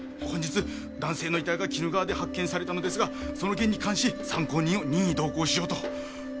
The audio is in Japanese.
本日男性の遺体が鬼怒川で発見されたのですがその件に関し参考人を任意同行しようと。